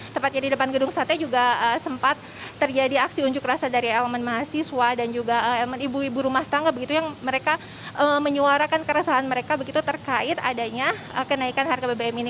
tepatnya di depan gedung sate juga sempat terjadi aksi unjuk rasa dari elemen mahasiswa dan juga elemen ibu ibu rumah tangga begitu yang mereka menyuarakan keresahan mereka begitu terkait adanya kenaikan harga bbm ini